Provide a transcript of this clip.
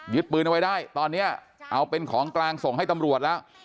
ปืนเอาไว้ได้ตอนนี้เอาเป็นของกลางส่งให้ตำรวจแล้ว